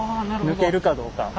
抜けるかどうか。